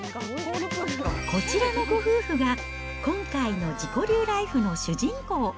こちらのご夫婦が、今回の自己流ライフの主人公。